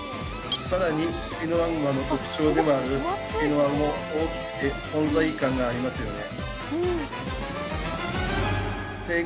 さらにツキノワグマの特徴でもあるツキノワも大きくて存在感がありますよね